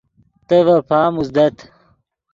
تے ڤے پام اوزدت